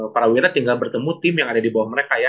prawira tinggal bertemu tim yang ada di bawah mereka ya